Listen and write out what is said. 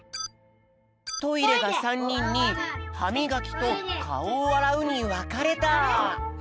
トイレが３にんにはみがきとかおをあらうにわかれた！